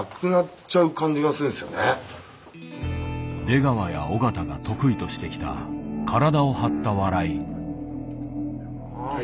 出川や尾形が得意としてきた体を張った笑い。